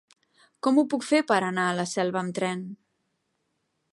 Com ho puc fer per anar a Selva amb tren?